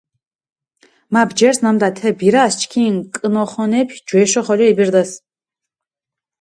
მა ბჯერს, ნამდა თე ბირას ჩქინ კჷნოხონეფი ჯვეშო ხოლო იბირდეს.